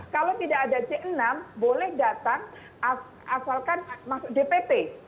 kalau tidak ada c enam boleh datang asalkan masuk dpt